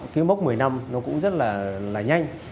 cái mốc một mươi năm nó cũng rất là nhanh